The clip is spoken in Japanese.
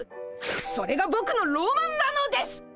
それがぼくのロマンなのです！